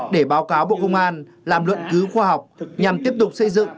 để báo cáo bộ công an làm luận cứu khoa học nhằm tiếp tục xây dựng